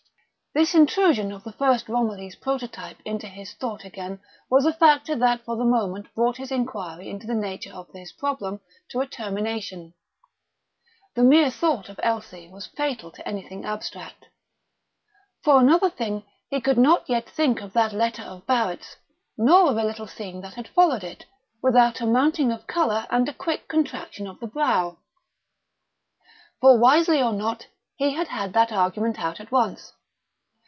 This intrusion of the first Romilly's prototype into his thought again was a factor that for the moment brought his inquiry into the nature of his problem to a termination; the mere thought of Elsie was fatal to anything abstract. For another thing, he could not yet think of that letter of Barrett's, nor of a little scene that had followed it, without a mounting of colour and a quick contraction of the brow. For, wisely or not, he had had that argument out at once.